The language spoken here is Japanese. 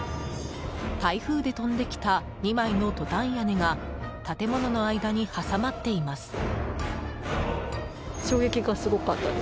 台風で飛んできた２枚のトタン屋根が建物の間に挟まっています。